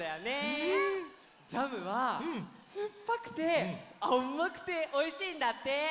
ジャムはすっぱくてあまくておいしいんだって！